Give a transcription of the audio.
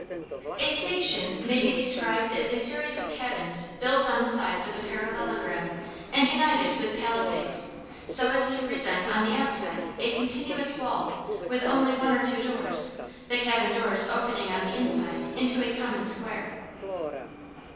] A station may be described as a series of cabins built on the sides of a parallelogram and united with palisades, so as to present on the outside a continuous wall with only one or two doors, the cabin doors opening on the inside into a common square.